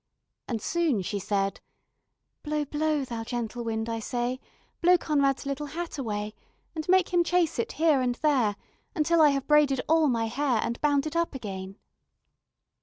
And soon she said: "Blow, blow, thou gentle wind, I say, Blow Conrad's little hat away, And make him chase it here and there, Until I have braided all my hair, And bound it up again."